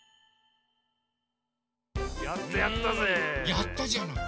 やったじゃない？